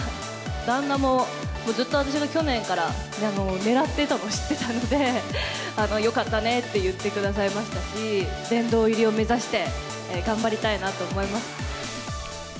旦那もずっと私が去年からねらってたの知ってたんで、よかったねって言ってくださいましたし、殿堂入りを目指して頑張りたいなと思います。